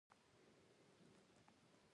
ځکه چې زه به پر دوی او پر ځان باور ولرم.